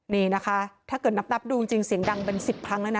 นี่นะคะถ้าเกิดนับดูจริงเสียงดังเป็น๑๐ครั้งแล้วนะ